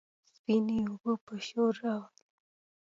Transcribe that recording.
سپينې اوبه به شور راولي،